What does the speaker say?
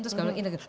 terus kalau ini no